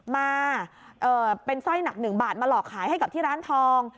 มาเป็นสร้อยหนัก๑บาทมาหลอกขายให้กับที่ร้านทอง